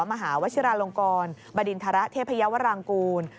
มหาวชิราลงกรบดินทรเทพยาวรางกูล